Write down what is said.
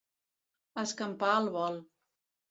Escampar al vol.